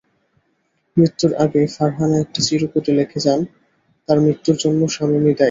মৃত্যুর আগে ফারহানা একটি চিরকুটে লিখে যান তাঁর মৃত্যুর জন্য শামীমই দায়ী।